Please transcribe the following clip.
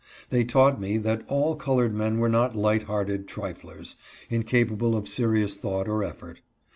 They taught me that all colored men were not light hearted triflers, incapable of serious thought or effort.